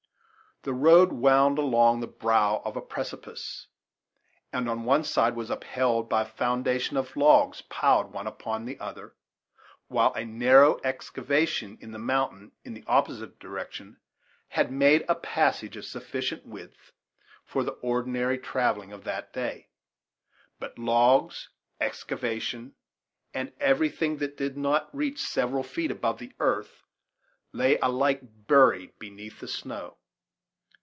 The road wound along the brow of a precipice, and on one side was upheld by a foundation of logs piled one upon the other, while a narrow excavation in the mountain in the opposite direction had made a passage of sufficient width for the ordinary travelling of that day. But logs, excavation, and everything that did not reach several feet above the earth lay alike buried beneath the snow.